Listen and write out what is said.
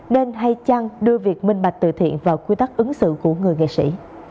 nên hay chăng đưa việc minh bạch tự thiện vào quy tắc ứng xử của người nghệ sĩ